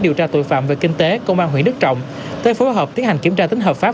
điều tra tội phạm về kinh tế công an huyện đức trọng tới phối hợp tiến hành kiểm tra tính hợp pháp